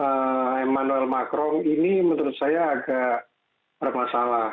emmanuel macron ini menurut saya agak bermasalah